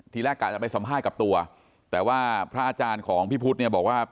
ทีแรกกะจะไปสัมภาษณ์กับตัวแต่ว่าพระอาจารย์ของพี่พุทธเนี่ยบอกว่า